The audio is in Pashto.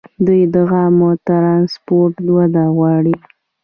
دوی د عامه ټرانسپورټ وده غواړي.